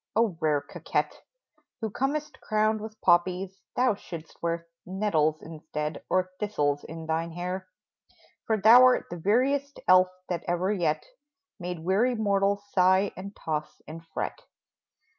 O! rare coquette, Who comest crowned with poppies, thou shouldst wear Nettles instead, or thistles, in thine hair ; For thou 'rt the veriest elf that ever yet Made weary mortals sigh and toss and fret